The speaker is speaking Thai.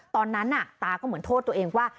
ตอนนั้นตาก็เหมือนโทษตัวเองว่า